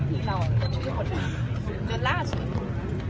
เฉพาะเยอะราดล่าสุด